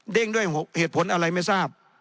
ด้วยเหตุผลอะไรไม่ทราบ